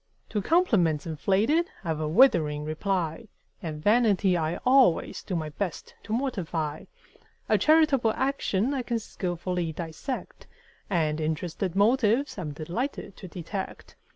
To compliments inflated I've a withering reply; And vanity I always do my best to mortify; A charitable action I can skilfully dissect: And interested motives I'm delighted to detect.